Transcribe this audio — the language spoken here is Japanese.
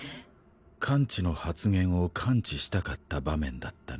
感知の発現を感知したかった場面だったな。